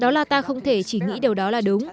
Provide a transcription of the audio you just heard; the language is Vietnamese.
đó là ta không thể chỉ nghĩ điều đó là đúng